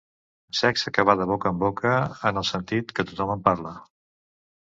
Sexe que va de boca en boca, en el sentit que tothom en parla.